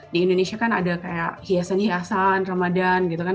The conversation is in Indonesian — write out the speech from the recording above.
di indonesia kan ada kayak hiasan hiasan ramadan gitu kan